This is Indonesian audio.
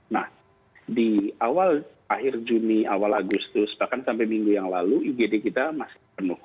nah di awal akhir juni awal agustus bahkan sampai minggu yang lalu igd kita masih penuh